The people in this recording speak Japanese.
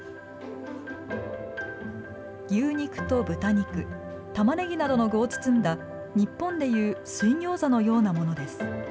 牛肉と豚肉、たまねぎなどの具を包んだ、日本でいう水ギョーザのようなものです。